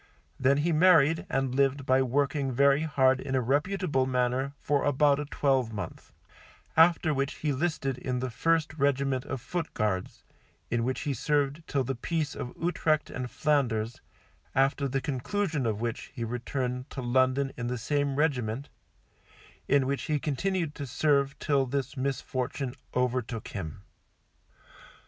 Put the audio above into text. Then he married and lived by working very hard in a reputable manner for about a twelve month, after which he listed in the first regiment of Foot Guards, in which he served till the Peace of Utrecht and Flanders, after the conclusion of which he returned to London in the same regiment, in which he continued to serve till this misfortune overtook him.